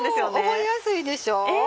覚えやすいでしょ。